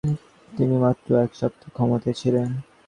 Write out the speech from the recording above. তিনি মাত্র একসপ্তাহ ক্ষমতায় ছিলেন।